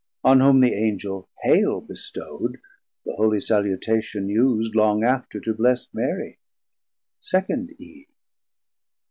On whom the Angel Haile Bestowd, the holy salutation us'd Long after to blest Marie, second Eve.